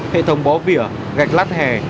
hệ thống bó vỉa gạch lát hè